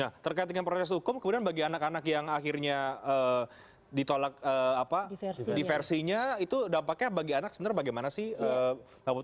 nah terkait dengan proses hukum kemudian bagi anak anak yang akhirnya ditolak diversinya itu dampaknya bagi anak sebenarnya bagaimana sih